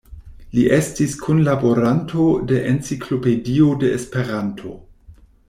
Li estis kunlaboranto de "Enciklopedio de Esperanto".